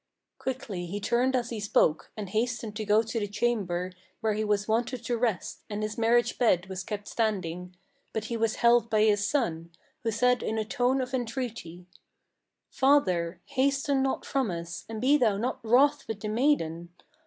Quickly he turned as he spoke, and hastened to go to the chamber Where he was wonted to rest, and his marriage bed was kept standing, But he was held by his son, who said in a tone of entreaty: "Father, hasten not from us, and be thou not wroth with the maiden.